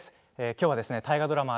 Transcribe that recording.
きょうは大河ドラマ